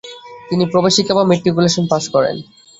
তিনি প্রবেশিকা বা ম্যাট্রিকুলেশন পাশ করেন।